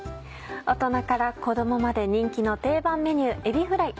大人から子供まで人気の定番メニューえびフライ。